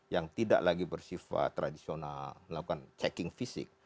yang tidak lagi bersifat tradisional melakukan checking fisik